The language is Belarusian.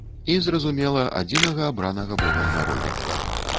І, зразумела, адзінага абранага богам народа.